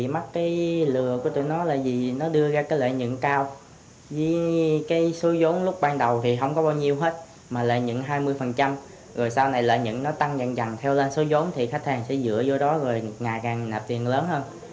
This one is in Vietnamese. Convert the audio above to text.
mà lợi nhận hai mươi rồi sau này lợi nhận nó tăng dần dần theo lên số giống thì khách hàng sẽ dựa vô đó rồi ngày càng nạp tiền lớn hơn